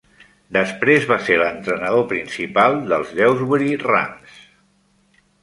Després va ser l'entrenador principal dels Dewsbury Rams.